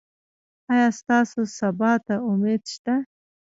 ایا ستاسو سبا ته امید شته؟